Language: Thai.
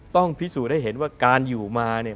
ต้องพิสูจน์ให้เห็นว่าการอยู่มาเนี่ย